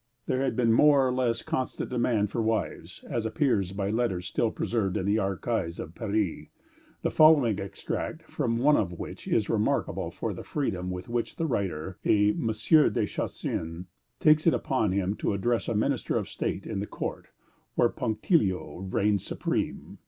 There had been a more or less constant demand for wives, as appears by letters still preserved in the archives of Paris, the following extract from one of which is remarkable for the freedom with which the writer, a M. de Chassin, takes it upon him to address a minister of State in a court where punctilio reigned supreme.